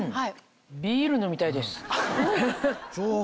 ビール飲みたいです。